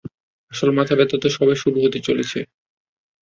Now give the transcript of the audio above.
আসল মাথা ব্যাথা তো সবে শুরু হতে চলেছে।